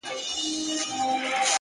زه هم له خدايه څخه غواړمه تا;